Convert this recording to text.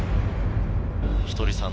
ひとりさん